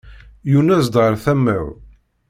Yunez-d ɣer tama-w.